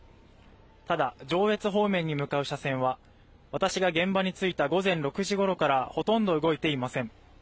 ただ上越方面に向かう車線は私が現場に着いた午前６時ごろからほとんど動いていません